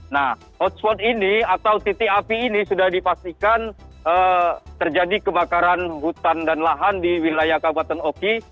nah hotspot ini atau titik api ini sudah dipastikan terjadi kebakaran hutan dan lahan di wilayah kabupaten oki